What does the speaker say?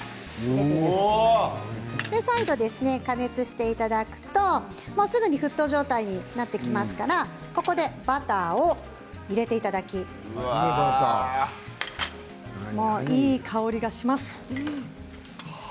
最後、加熱していただくとすぐに沸騰状態になってきますのでここでバターを入れていただきいい香りがします。